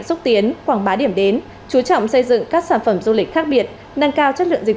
xúc tiến quảng bá điểm đến chú trọng xây dựng các sản phẩm du lịch khác biệt nâng cao chất lượng dịch